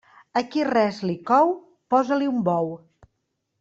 A qui res li cou, posa-li un bou.